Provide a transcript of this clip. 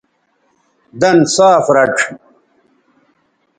دَن صاف رَڇھ